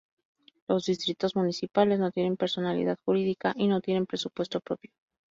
Los distritos municipales no tienen personalidad jurídica, y no tienen presupuesto propio.